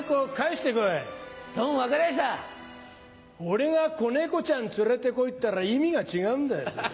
俺が子猫ちゃん連れて来いって言ったら意味が違うんだよそれ。